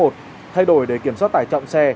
thay đổi để kiểm soát tải trọng xe